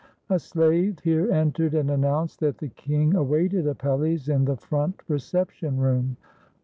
A slave here entered and announced that the king awaited Apelles in the front reception room.